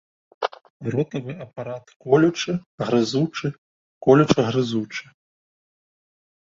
Ротавы апарат колючы, грызучы, колюча-грызучы.